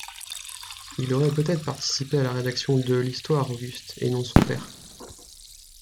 Il aurait peut-être participé à la rédaction de l'Histoire Auguste et non son père.